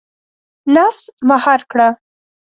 • نفس مهار کړه.